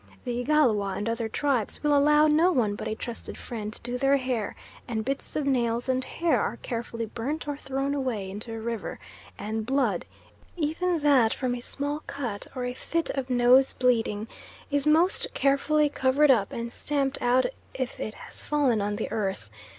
The Igalwa and other tribes will allow no one but a trusted friend to do their hair, and bits of nails and hair are carefully burnt or thrown away into a river; and blood, even that from a small cut or a fit of nose bleeding, is most carefully covered up and stamped out if it has fallen on the earth.